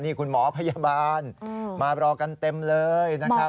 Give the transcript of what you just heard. นี่คุณหมอพยาบาลมารอกันเต็มเลยนะครับ